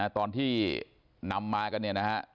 ตอนที่นำมากันเนี่ยนะฮะ